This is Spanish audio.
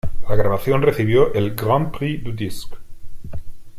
La grabación recibió el Grand Prix du Disque.